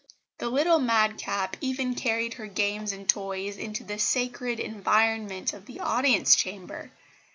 The little madcap even carried her games and toys into the sacred environment of the Audience Chamber.